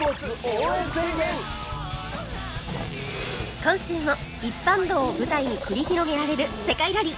今週も一般道を舞台に繰り広げられる世界ラリー！